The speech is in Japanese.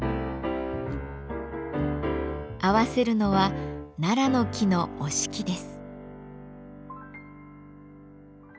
合わせるのは楢の木の折敷です。